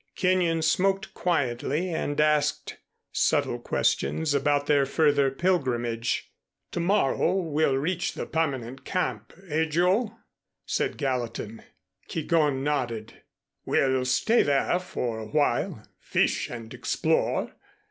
Kenyon smoked quietly and asked subtle questions about their further pilgrimage. "To morrow we'll reach the permanent camp, eh, Joe?" said Gallatin. Keegón nodded. "We'll stay there for a while fish and explore."